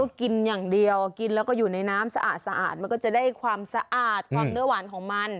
ก็กินอย่างเดียวกินแล้วก็อยู่ในน้ำสะอาดมันก็จะได้ความสะอาดความเนื้อหวานของมัน